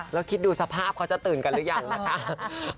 แล้วคิดดูสภาพเขาจะตื่นกันหรือยังนะคะ